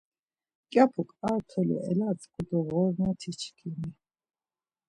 Mǩyapuk ar toli elantzǩu do Ğormoti çkimi!